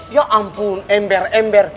ya ampun ember ember